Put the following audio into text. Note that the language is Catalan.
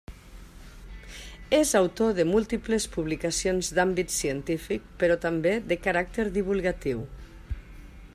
És autor de múltiples publicacions d'àmbit científic però també de caràcter divulgatiu.